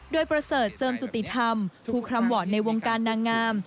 โดยประเสริฐเจิมจุติธรรมผู้คำวอร์ดในวงการนางงาม